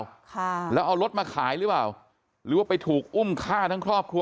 ค่ะแล้วเอารถมาขายหรือเปล่าหรือว่าไปถูกอุ้มฆ่าทั้งครอบครัว